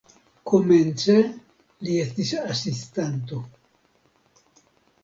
Komence li estis asistanto.